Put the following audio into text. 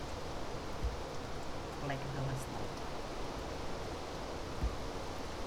Plec de l’estany.